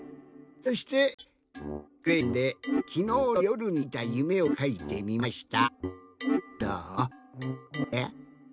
そしてクレヨンできのうのよるにみたゆめをかいてみました。